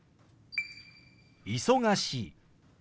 「忙しい」。